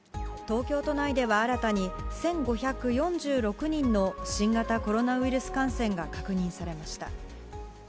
東京都内では新たに１５４６人の新型コロナウイルス感染が確認されました。